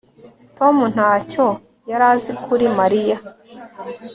Tom ntacyo yari azi kuri Mariya